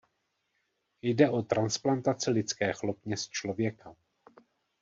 Jde o transplantaci lidské chlopně z člověka.